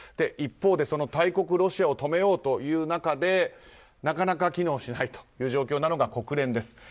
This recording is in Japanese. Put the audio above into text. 一方で大国ロシアを止めようという中でなかなか機能しない状態なのが国連です。